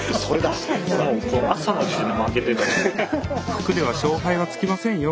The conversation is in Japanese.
服では勝敗はつきませんよ